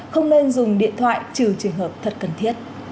không nên dùng điện thoại trừ trường hợp thật cần thiết